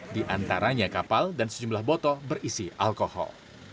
di antaranya kapal dan sejumlah botol berisi alkohol